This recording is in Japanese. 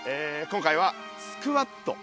今回はスクワット！